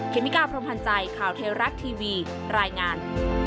เมกาพรมพันธ์ใจข่าวเทวรัฐทีวีรายงาน